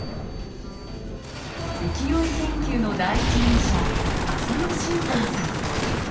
浮世絵研究の第一人者浅野秀剛さん。